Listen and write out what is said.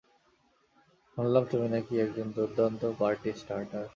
শুনলাম তুমি নাকি একজন দুর্দান্ত পার্টি স্টার্টার।